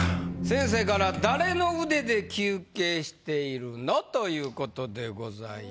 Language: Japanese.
先生から「誰の腕で休憩しているの？」という事でございます。